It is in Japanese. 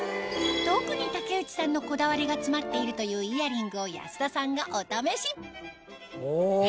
特に竹内さんのこだわりが詰まっているというイヤリングを保田さんがお試しお！